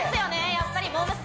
やっぱりモー娘。